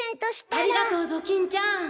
ありがとうドキンちゃん。